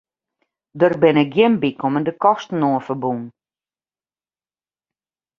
Der binne gjin bykommende kosten oan ferbûn.